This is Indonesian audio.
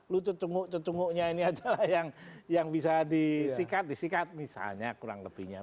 lucuk cecunguknya ini aja lah yang bisa disikat disikat misalnya kurang lebihnya